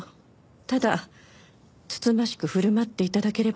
ただつつましく振る舞って頂ければ。